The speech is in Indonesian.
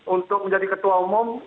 untuk menjadi ketua umum